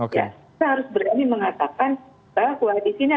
kita harus berani mengatakan bahwa di sini ada